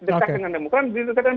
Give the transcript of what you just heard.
dekat dengan demokrasi diterima oleh pks